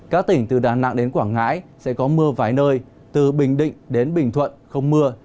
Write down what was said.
các tỉnh từ đà nẵng đến quảng ngãi sẽ có mưa vài nơi từ bình định đến bình thuận không mưa